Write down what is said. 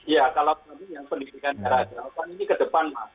ya kalau tadi yang pendidikan jarak jauh kan ini ke depan mas